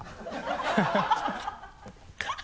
ハハハ